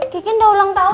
kikin udah ulang tahun